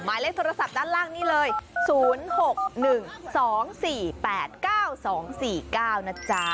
หมายเลขโทรศัพท์ด้านล่างนี่เลย๐๖๑๒๔๘๙๒๔๙นะจ๊ะ